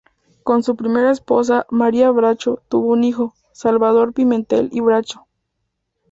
Con su primera esposa, María Bracho, tuvo un hijo: Salvador Pimentel y Bracho.